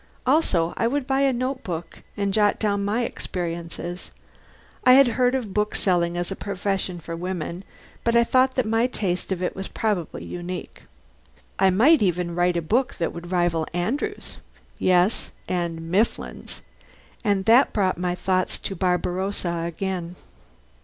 Also I would buy a notebook and jot down my experiences. I had heard of bookselling as a profession for women, but I thought that my taste of it was probably unique. I might even write a book that would rival Andrew's yes, and Mifflin's. And that brought my thoughts to Barbarossa again.